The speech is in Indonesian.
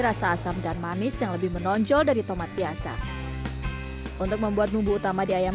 rasa asam dan manis yang lebih menonjol dari tomat biasa untuk membuat bumbu utama di ayam